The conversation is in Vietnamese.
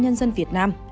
nhân dân việt nam